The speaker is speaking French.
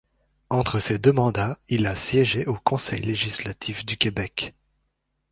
Entre ses deux mandats, il a siégé au Conseil législatif du Québec.